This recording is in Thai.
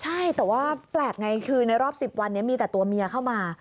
ใช่แต่ว่าแปลกไงคือในรอบ๑๐วันนี้มีแต่ตัวเมียเข้ามา